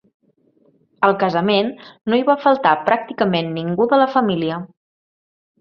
Al casament, no hi va faltar pràcticament ningú de la família.